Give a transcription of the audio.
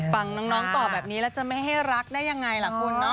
ฟังน้องตอบแบบนี้แล้วจะไม่ให้รักได้ยังไงล่ะคุณเนาะ